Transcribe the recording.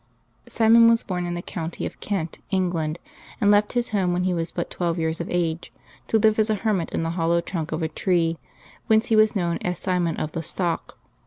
|rMON was born in the county of Kent, England, and left his home when he was but twelve years of age, to live as a hermit in the hollow trunk of a tree, whence he was known as Simon of the Stock.